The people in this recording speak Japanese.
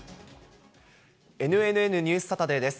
ＮＮＮニュースサタデーです。